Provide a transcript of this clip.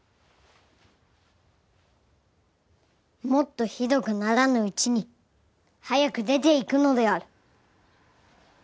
もっとひどくならぬうちに早く出て行くのである。